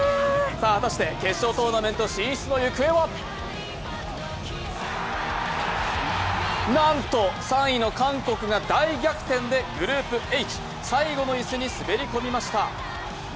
果たして決勝トーナメント進出の行方はなんと、３位の韓国が大逆転でグループＨ、最後の椅子に滑り込みました。